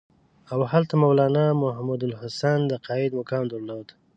او هلته مولنا محمودالحسن د قاید مقام درلود.